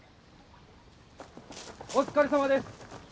お疲れさまです！